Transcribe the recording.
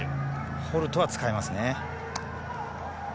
ホルトは使います。